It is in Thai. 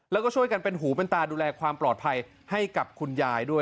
แล้วก็ช่วยกันเป็นหูเป็นตาดูแลความปลอดภัยให้กับคุณยายด้วย